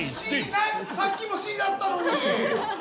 さっきもＣだったのに！